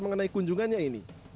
mengenai kunjungannya ini